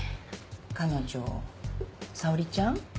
彼女沙織ちゃん？